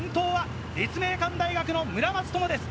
先頭は立命館大学の村松灯です。